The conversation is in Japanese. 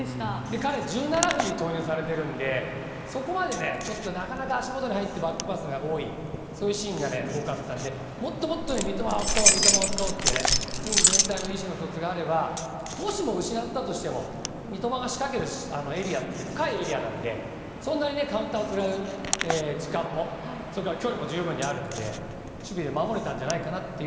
彼、１７分に投入されているのでそこまで足元に入ってバックパスが多いというシーンが多かったのでもっともっと三笘を使おうというねチーム全体の意思の疎通があればもしも失ったとしても三笘が仕掛けるエリアって深いエリアなのでそんなにカウンターを食らう時間も距離も十分にあるので守備で守れたんじゃないかと。